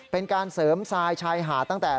เป็นการเสริมทรายชายหาดตั้งแต่